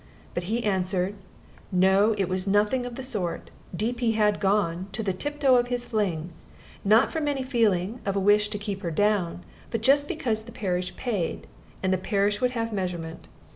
But he answered, "No; it was nothing of the sort. Deep he had gone, to the tiptoe of his fling; not from any feeling of a wish to keep her down, but just because the parish paid, and the parish would have measurement.